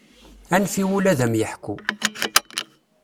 Anef i wul ad am-yeḥku.